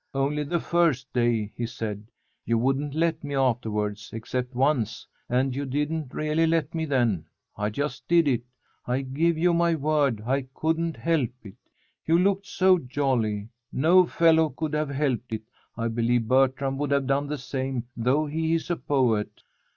"Only the first day," he said. "You wouldn't let me afterwards. Except once, and you didn't really let me then. I just did it. I give you my word I couldn't help it. You looked so jolly. No fellow could have helped it. I believe Bertram would have done the same, though he is a poet."